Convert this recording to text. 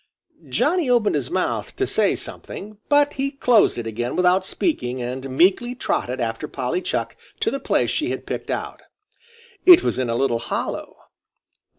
Johnny opened his mouth to say something, but he closed it again without speaking and meekly trotted after Polly Chuck to the place she had picked out. It was in a little hollow.